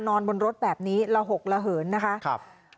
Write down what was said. นอนบนรถแบบนี้ละหกระเหินนะคะครับ